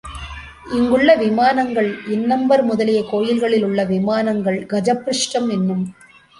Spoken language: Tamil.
இங்குள்ள விமானங்கள், இன்னம்பர் முதலிய கோயில்களில் உள்ள விமானங்கள் கஜப்பிரஷ்டம் என்னும் முறையிலே அரை வட்டமாக அமைந்திருப்பதையும் பார்த்திருக்கிறோம்.